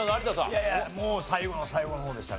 いやいやもう最後の最後の方でした。